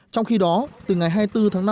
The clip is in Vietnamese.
trong khi đó từ ngày hai mươi bốn tháng năm